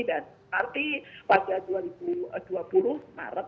dan nanti pada dua ribu dua puluh maret